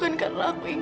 jangan pinjam di sini